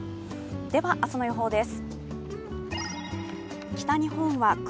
では明日の予報です。